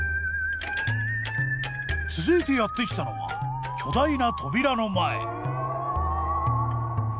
続いてやって来たのは巨大な扉の前。